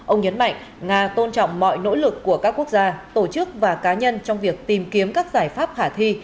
ông nhấn mạnh nga tôn trọng mọi nỗ lực của các quốc gia tổ chức và cá nhân trong việc tìm kiếm các giải pháp khả thi